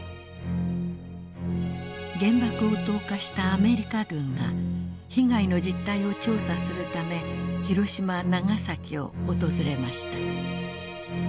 原爆を投下したアメリカ軍が被害の実態を調査するため広島長崎を訪れました。